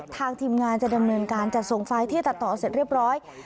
ทีมงานจะดำเนินการจัดส่งไฟล์ที่ตัดต่อเสร็จเรียบร้อย